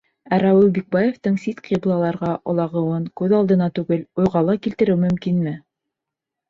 Ә Рауил Бикбаевтың сит ҡиблаларға олағыуын күҙ алдына түгел, уйға ла килтереү мөмкинме?!